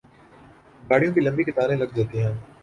گاڑیوں کی لمبی قطاریں لگ جاتی ہیں۔